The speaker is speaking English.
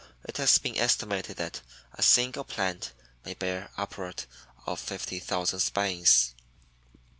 It has been estimated that a single plant may bear upward of 50,000 spines.